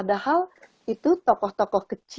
dia bisa cantik banget